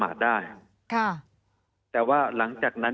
มีความรู้สึกว่ามีความรู้สึกว่า